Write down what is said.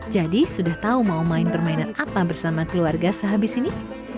sudah tahu mau main permainan apa bersama keluarga sehabis ini